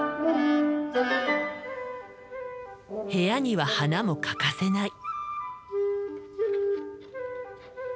部屋には花も欠かせない。